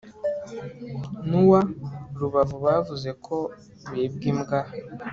n'uwa rubavu bavuze ko bibwa imbwa